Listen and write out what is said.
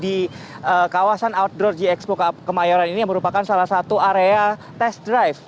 di kawasan outdoor gxmu kemayoran ini merupakan salah satu area test drive